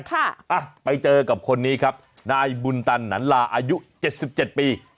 ค่ะอ้าวไปเจอกับคนนี้ครับนายบุญตันนันลาอายุ๗๗ปี